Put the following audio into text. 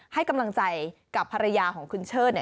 ให้กำลังใจกับภรรยาของคุณเชิด